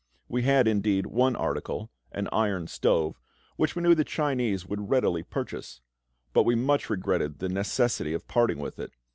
We had, indeed, one article an iron stove which we knew the Chinese would readily purchase; but we much regretted the necessity of parting with it.